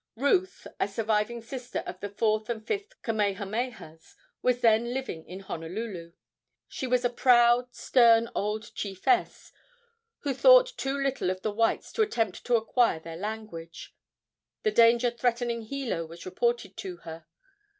Ruth, a surviving sister of the fourth and fifth Kamehamehas, was then living in Honolulu. She was a proud, stern old chiefess, who thought too little of the whites to attempt to acquire their language. The danger threatening Hilo was reported to her.